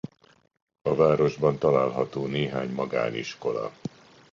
A városban található néhány magániskola.